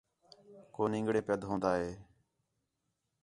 کُو نِنگڑے پِیا دھون٘دا ہے